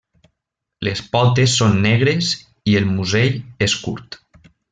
Les potes són negres i el musell és curt.